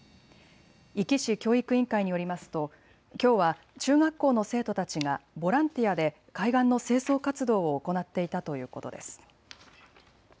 壱岐市教育委員会によりますときょうは中学校の生徒たちがボランティアで海岸の清掃活動を行っていたということです。